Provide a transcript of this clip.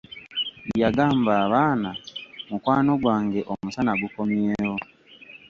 Yagamba abaana, mukwano gwange, omusana gukomyeewol!